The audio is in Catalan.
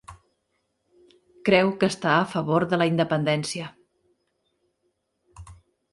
Creu que està a favor de la independència.